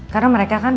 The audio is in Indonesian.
karena mereka kan